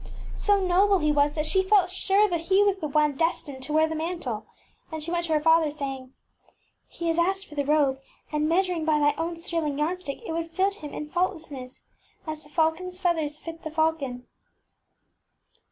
ŌĆØ So noble he was that she felt sure that he was the one destined to wear her mantle, and she went to her father, saying, ŌĆśHe has asked for the robe, and measured by thy own sterling yardstick, it would fit him in fault %fit %\ )ttt Mleabrrs lessness, as the falconŌĆÖs feathers fit the falcon.